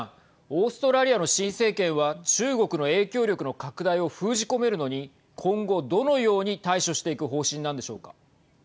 オーストラリアの新政権は中国の影響力の拡大を封じ込めるのに今後、どのように対処していく方針なんでしょうか。